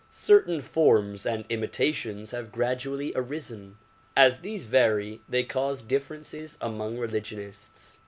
Certain forms and imitations have gradually arisen. As these vary, they cause differences among religionists.